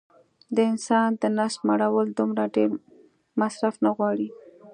د انسان د نس مړول دومره ډېر مصرف نه غواړي